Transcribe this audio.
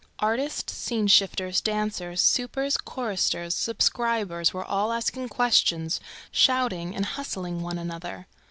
Artists, scene shifters, dancers, supers, choristers, subscribers were all asking questions, shouting and hustling one another.